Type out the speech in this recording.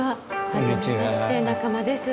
初めまして仲間です。